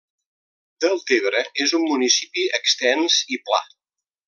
Deltebre és un municipi extens i pla.